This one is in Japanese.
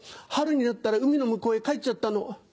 春になったら海の向こうへ帰っちゃったの。